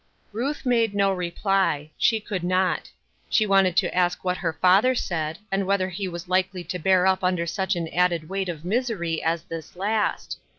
Ruth made no reply; she could not. She wanted to ask what her father said, and whethei he was likely to bear up under such an added weight of misery as this last.